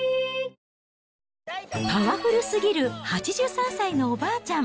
パワフルすぎる８３歳のおばあちゃん。